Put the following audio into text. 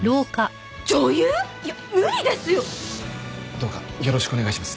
どうかよろしくお願いします。